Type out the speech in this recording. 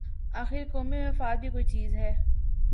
آخر قومی مفاد بھی کوئی چیز ہے۔